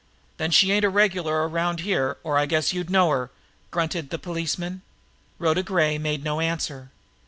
"Then she ain't a regular around here, or I guess you'd know her!" grunted the policeman. Rhoda Gray made no answer.